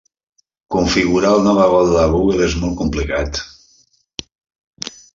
Configurar el navegador de Google és molt complicat.